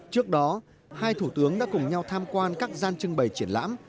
trước đó hai thủ tướng đã cùng nhau tham quan các gian trưng bày triển lãm